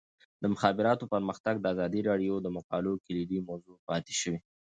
د مخابراتو پرمختګ د ازادي راډیو د مقالو کلیدي موضوع پاتې شوی.